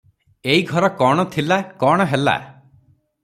ଏଇ ଘର କଣ ଥିଲା, କଣ ହେଲା ।